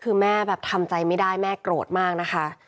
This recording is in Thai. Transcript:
คือแม่แบบทำใจไม่ได้แม่โกรธมากนะคะ